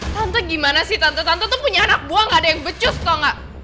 tante gimana sih tante tante tuh punya anak buah gak ada yang becus kok nggak